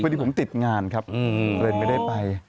พอดีผมติดงานครับเลยไม่ได้ไป